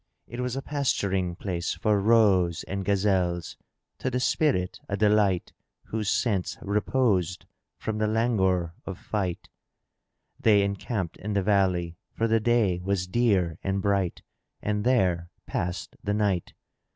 It was a pasturing place for roes and gazelles, to the spirit a delight whose scents reposed from the langour of fight. They encamped in the valley, for the day was clear and bright, and there passed the night.